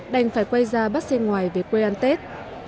đành phải quay ra bắt xe ngoài về quê ăn tết